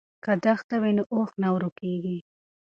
که دښته وي نو اوښ نه ورکیږي.